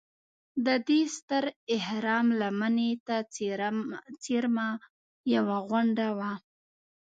د دې ستر اهرام لمنې ته څېرمه یوه غونډه وه.